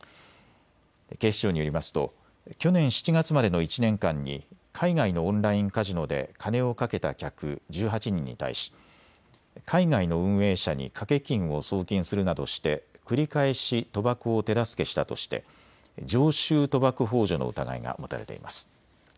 警視庁によりますと去年７月までの１年間に海外のオンラインカジノで金を賭けた客１８人に対し海外の運営者に賭け金を送金するなどして繰り返し賭博を手助けしたとして常習賭博ほう助の疑いが持たれています。